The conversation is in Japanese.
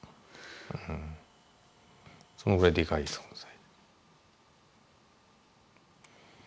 そのぐらいデカい存在。